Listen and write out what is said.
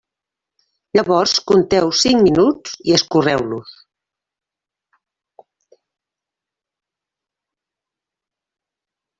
Llavors compteu cinc minuts i escorreu-los.